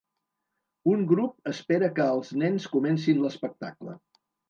Un grup espera que els nens comencin l'espectacle